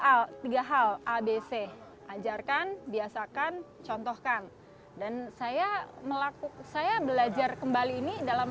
hal tiga hal abc ajarkan biasakan contohkan dan saya melakukan saya belajar kembali ini dalam